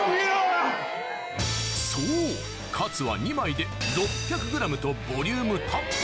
そうカツは２枚で６００ｇとボリュームたっぷり